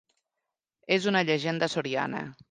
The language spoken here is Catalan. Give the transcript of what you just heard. És una llegenda soriana.